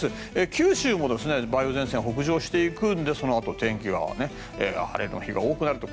九州も梅雨前線が北上していくのでそのあと晴れの日が多くなると。